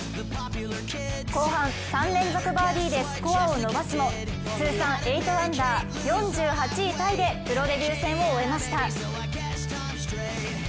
後半３連続バーディーでスコアを伸ばすも通算８アンダー、４８位タイでプロデビュー戦を終えました。